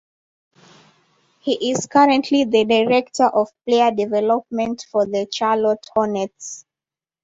He is currently the Director of Player Development for the Charlotte Hornets.